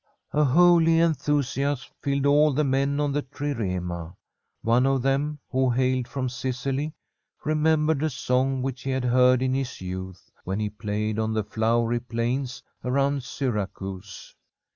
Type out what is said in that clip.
A holy fiithusiasm filled the men on the IrlriMMN. One of them, who hailed from Sicily, ffiMfinbrrnl a ftong which he had heard in his yotith, when he played on the flowery plains arotuMl Syrnctiwc.